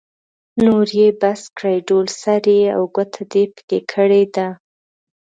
نور يې بس کړئ؛ ډول سری او ګوته دې په کې کړې ده.